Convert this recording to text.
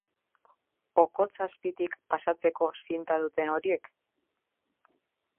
Okotz azpitik pasatzeko zinta duten horiek?